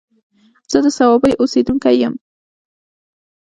زه د صوابۍ اوسيدونکی يم